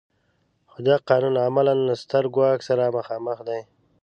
خو دا قانون عملاً له ستر ګواښ سره مخامخ دی.